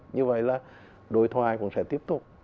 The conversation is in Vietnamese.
như vậy là đối thoại cũng sẽ tiếp tục